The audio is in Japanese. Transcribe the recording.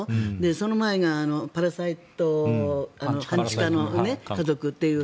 その前が「パラサイト半地下の家族」っていう。